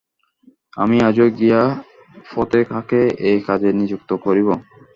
আমি আজই গিয়া ফতে খাঁকে এই কাজে নিযুক্ত করিব।